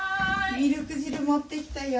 ミルク汁持ってきたよ。